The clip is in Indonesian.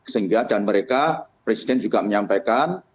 sehingga dan mereka presiden juga menyampaikan